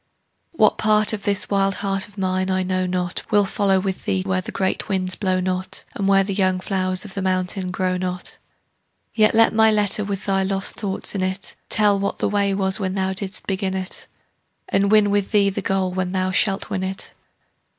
What part of this wild heart of mine I know not Will follow with thee where the great winds blow not, And where the young flowers of the mountain grow not. Yet let my letter with thy lost thoughts in it Tell what the way was when thou didst begin it, And win with thee the goal when thou shalt win it.